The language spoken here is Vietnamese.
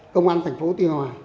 công an thành phố tuy hòa